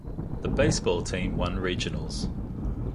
The baseball team won regionals.